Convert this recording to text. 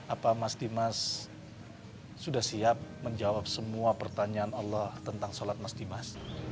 apa mas dimas sudah siap menjawab semua pertanyaan allah tentang sholat mas dimas